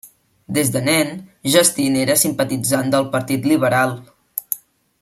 Des de nen, Justin era simpatitzant del Partit Liberal.